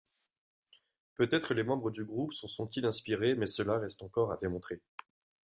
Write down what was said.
Peut-être les membres du groupe s'en sont-ils inspirés, mais cela reste encore à démontrer.